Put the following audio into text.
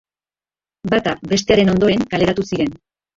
Bata bestearen ondoren kaleratu ziren.